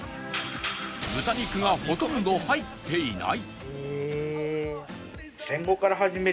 豚肉がほとんど入っていない